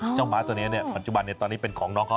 เจ้าหมาตัวนี้เนี่ยปัจจุบันเนี่ยตอนนี้เป็นของน้องเขา